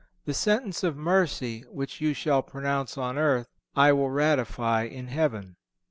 The sentence of mercy which you shall pronounce on earth I will ratify in heaven.